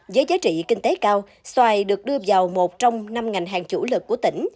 với giá trị kinh tế cao xoài được đưa vào một trong năm ngành hàng chủ lực của tỉnh